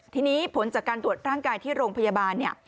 ทีนี้ผลจากการตรวจร่างกายที่โรงพยาบาลเนี่ย